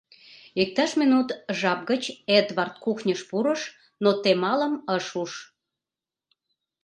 Иктаж минут жап гыч Эдвард кухньыш пурыш, но Темалым ыш уж.